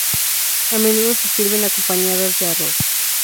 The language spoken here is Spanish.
A menudo se sirven acompañadas de arroz.